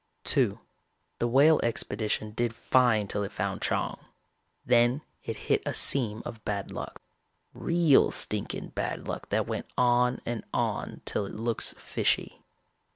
(2) The Whale expedition did fine till it found Chang. Then it hit a seam of bad luck. Real stinking bad luck that went on and on till it looks fishy.